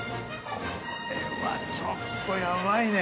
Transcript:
これはちょっとヤバいね。